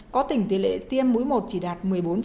có tỉnh tỷ lệ tiêm mũi một chỉ đạt một mươi bốn